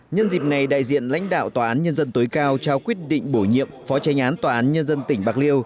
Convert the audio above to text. nhân dịp này đại diện lãnh đạo tòa án nhân dân tối cao trao quyết định bổ nhiệm phó tranh án tòa án nhân dân tỉnh bạc liêu